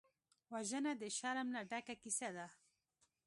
وژنه د شرم نه ډکه کیسه ده